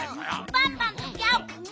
バンバンとギャオくんが。